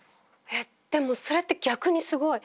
えっでもそれって逆にすごい。